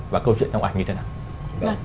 và câu chuyện trong ảnh như thế nào